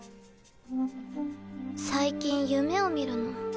最近夢を見るの。